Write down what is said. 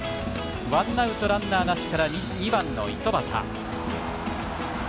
ワンアウト、ランナーなしから２番の五十幡。